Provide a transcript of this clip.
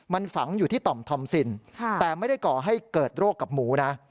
มันฝังอยู่ที่ต่อมทอมซินแต่ไม่ได้ก่อให้เกิดโรคกับหมูนะ